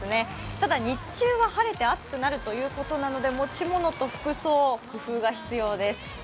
ただ、日中は晴れて暑くなるということなので、持ち物と服装、工夫が必要です。